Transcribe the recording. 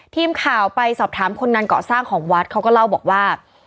ทีมข่าวไปสอบถามคนงานเกาะสร้างของวัดเขาก็เล่าบอกว่า